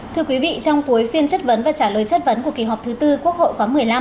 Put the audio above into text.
thưa quý vị trong cuối phiên chất vấn và trả lời chất vấn của kỳ họp thứ tư quốc hội khóa một mươi năm